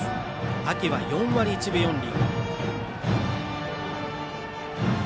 秋は４割１分４厘。